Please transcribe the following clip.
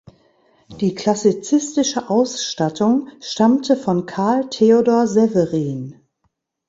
Die klassizistische Ausstattung stammte von Carl Theodor Severin.